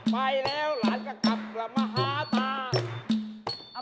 ไปแล้วหลานจะกลับกระมฮาตา